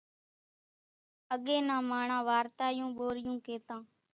اڳيَ نان ماڻۿان وارتاريون ٻورِيون ڪيتان۔